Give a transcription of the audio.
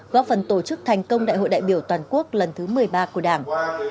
góp phần tổ chức thành công đại hội đại biểu toàn quốc lần thứ một mươi ba của đảng